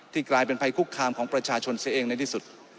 กลายเป็นภัยคุกคามของประชาชนเสียเองในที่สุด